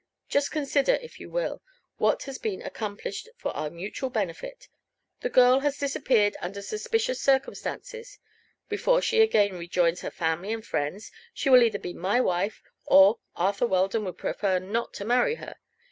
Just consider, if you will, what has been accomplished for our mutual benefit: The girl has disappeared under suspicious circumstances; before she again rejoins her family and friends she will either be my wife or Arthur Weldon will prefer not to marry her.